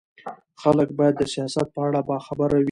خلک باید د سیاست په اړه باخبره وي